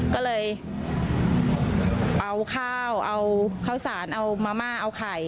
ก็เลยเอาข้าวเอาข้าวสารเอามะม่าเอาไข่